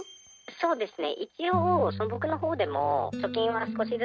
☎そうですね。